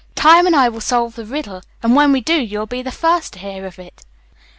Time and I will solve the riddle, and when we do you'll be the first to hear of it."